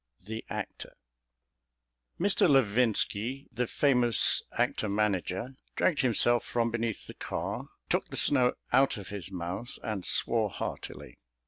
L. THE ACTOR Mr. Levinski, the famous actor manager, dragged himself from beneath the car, took the snow out of his mouth, and swore heartily.